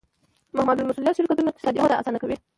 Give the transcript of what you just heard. محدودالمسوولیت شرکتونه اقتصادي وده اسانه کوي.